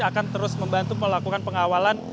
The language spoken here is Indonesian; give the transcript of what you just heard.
akan terus membantu melakukan pengawalan